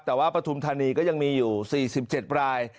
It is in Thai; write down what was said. แต่ว่าปฐุมธานีก็ยังมีอยู่๔๗ราย